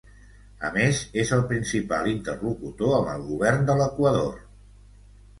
A més, és el principal interlocutor amb el govern de l’Equador.